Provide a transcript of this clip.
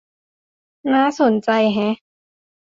น่าสนใจแฮะ